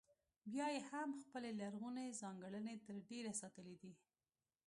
بیا یې هم خپلې لرغونې ځانګړنې تر ډېره ساتلې دي.